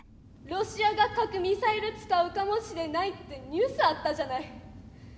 ロシアが核ミサイル使うかもしれないってニュースあったじゃない。